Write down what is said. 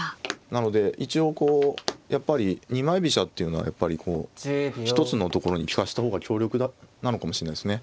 なので一応こうやっぱり二枚飛車っていうのはやっぱりこう一つのところに利かした方が強力なのかもしれないですね。